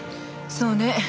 そうね。